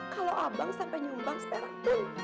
kalau abang sampai nyumbang seterak bang